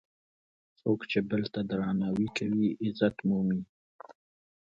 څوک چې بل ته درناوی کوي، عزت مومي.